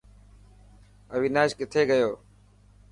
اويناش ڪٿي گيو.